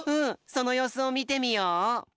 そのようすをみてみよう。